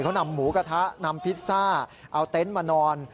เขานำหมูกระทะนำพิซซ่าเอาเต็นต์มานอน